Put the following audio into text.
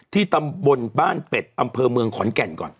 ตำบลบ้านเป็ดอำเภอเมืองขอนแก่นก่อน